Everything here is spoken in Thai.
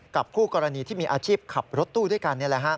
คู่กรณีที่มีอาชีพขับรถตู้ด้วยกัน